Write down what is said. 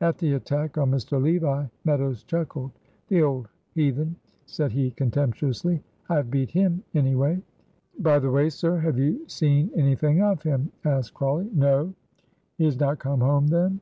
At the attack on Mr. Levi, Meadows chuckled. "The old heathen," said he, contemptuously, "I have beat him anyway." "By the way, sir, have you seen anything of him?" asked Crawley. "No." "He is not come home, then."